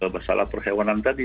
masalah perhewanan tadi